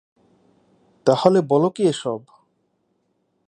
তাহলে বলো কী এসব?